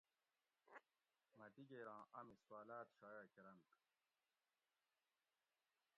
مۤہ دِگیراں امی سوالات شائع کۤرنت